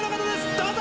どうぞ！